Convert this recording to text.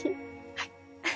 はい。